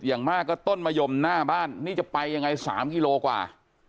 อย่างมากก็ต้นมะยมหน้าบ้านนี่จะไปยังไง๓กิโลกว่า